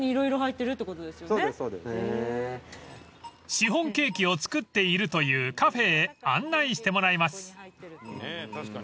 ［シフォンケーキを作っているというカフェへ案内してもらいます］